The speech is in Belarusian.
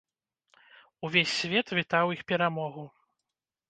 Увесь свет вітаў іх перамогу.